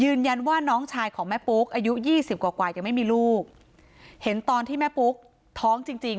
น้องชายของแม่ปุ๊กอายุยี่สิบกว่ากว่ายังไม่มีลูกเห็นตอนที่แม่ปุ๊กท้องจริงจริง